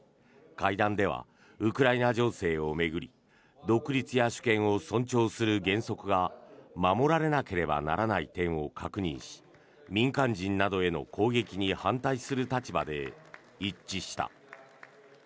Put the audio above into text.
会談ではウクライナ情勢を巡り独立や主権を尊重する原則が守られなければならない点を確認し民間人などへの攻撃に反対する立場で一致した。